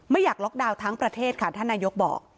อยากล็อกดาวน์ทั้งประเทศค่ะท่านนายกบอก